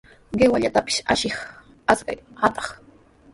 ¡Qiwallatapis ashiy, asyaq atuq!